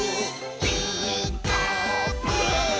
「ピーカーブ！」